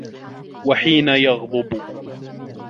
وَحِينَ يَغْضَبُ